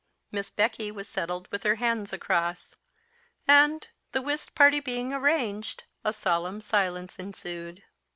Miss Becky was settled with her hands across; and, the whist party being arranged, a solemn silence ensued.